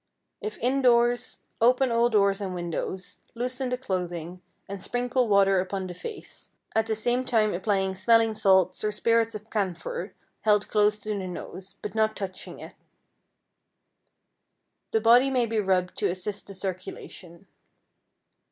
If in doors, open all doors and windows, loosen the clothing, and sprinkle water upon the face, at the same time applying smelling salts or spirits of camphor held close to the nose, but not touching it. The body may be rubbed to assist the circulation.